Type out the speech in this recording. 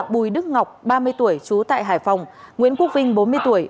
bùi đức ngọc ba mươi tuổi trú tại hải phòng nguyễn quốc vinh bốn mươi tuổi